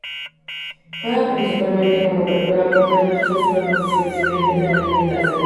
Juega principalmente como apertura, pero otras veces asume posiciones diferentes en la línea trasera.